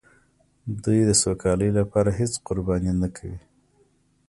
دوی د سوکالۍ لپاره هېڅ قرباني نه کوي.